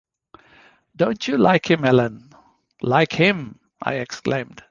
Don’t you like him, Ellen?’ ‘Like him!’ I exclaimed.